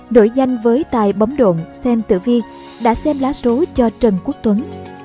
đổi danh với tài bấm độn xem tử vi đã xem lá số cho trần quốc tuấn